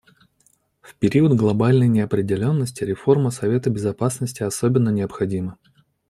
В период глобальной неопределенности реформа Совета Безопасности особенно необходима.